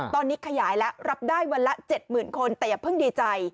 ตอนนี้ขยายแล้วรับได้วันละ๗๐๐คนแต่อย่าเพิ่งดีใจ